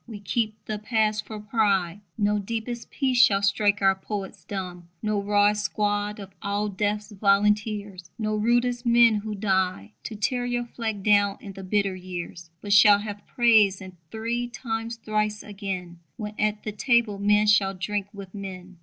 We keep the past for pride: No deepest peace shall strike our poets dumb: No rawest squad of all Death's volunteers, No rudest men who died To tear your flag down in the bitter years. But shall have praise, and three times thrice again, When at the table men shall drink with men.